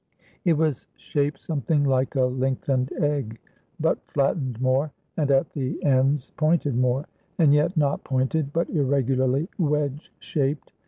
It was shaped something like a lengthened egg, but flattened more; and, at the ends, pointed more; and yet not pointed, but irregularly wedge shaped.